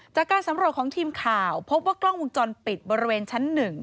จากการสำรวจของทีมข่าวพบว่ากล้องวงจรปิดบริเวณชั้น๑